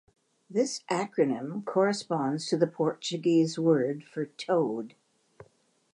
This acronym corresponds to the Portuguese word for toad.